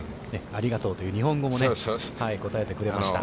ありがとうという日本語も答えてくれました。